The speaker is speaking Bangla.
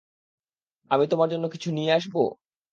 আমি তোমার জন্য কিছু নিয়ে আসবো?